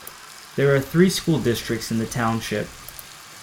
There are three school districts in the township.